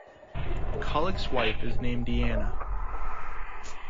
Kalac's wife is named Diana.